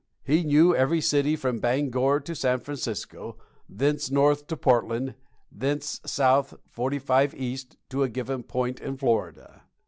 He knew every city from Bangor to San Francisco, thence north to Portland, thence S. 45 E. to a given point in Florida.